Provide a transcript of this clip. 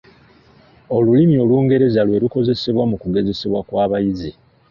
Olulimi Olungereza lwerukozesebwa mu kugezesebwa kw'abayizi.